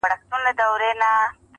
کمی نه وو د طلا د جواهرو؛